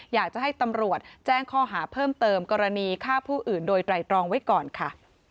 อยากจะให้ตำรวจแจ้งข้อหาเพิ่มเติมกรณีฆ่าผู้อื่นโดยไตรตรองไว้ก่อนค่ะ